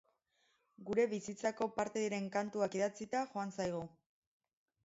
Gure bizitzako parte diren kantuak idatzita joan zaigu.